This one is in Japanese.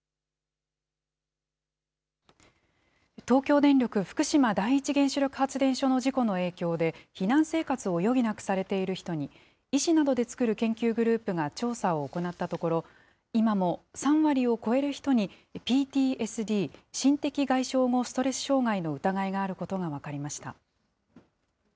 東京電力福島第一原子力発電所の事故の影響で、避難生活を余儀なくされている人に、医師などで作る研究グループが調査を行ったところ、今も３割を超える人に、ＰＴＳＤ・心的外傷後ストレス障害の疑いがあることが分かりました。